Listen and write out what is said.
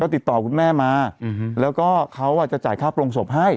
ติดต่อคุณแม่มาแล้วก็เขาจะจ่ายค่าโปรงศพให้